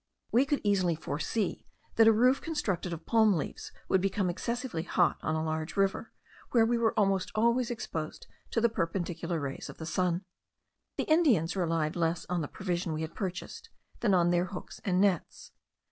We could easily foresee that a roof constructed of palm tree leaves would become excessively hot on a large river, where we were almost always exposed to the perpendicular rays of the sun. The Indians relied less on the provision we had purchased, than on their hooks and nets.